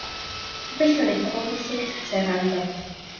Gobeithio wneith pobl bwysig Twitter wrando.